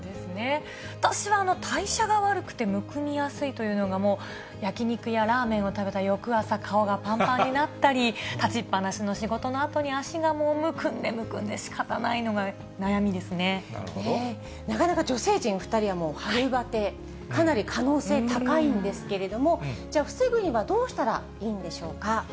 私は代謝が悪くて、むくみやすいというのが、もう、焼き肉やラーメンを食べた翌朝、顔がぱんぱんになったり、立ちっぱなしの仕事のあとに足がもうむくんでむくんでしかたないなかなか女性陣の２人はもう、春バテ、かなり可能性高いんですけれども、じゃあ、防ぐにはどうしたらいいんでしょうか。